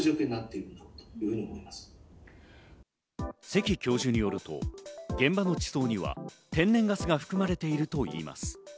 関教授によると、現場の地層には天然ガスが含まれているといいます。